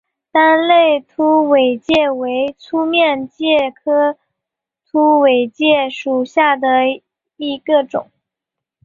单肋凸尾介为粗面介科凸尾介属下的一个种。